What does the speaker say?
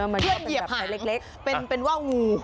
ผู้ชายเหลี่ยบหังเป็นว่างู